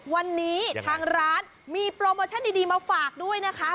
วันนี้ทางร้านมีโปรโมชั่นดีมาฝากด้วยนะคะ